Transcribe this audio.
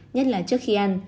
nhất là trước khi ăn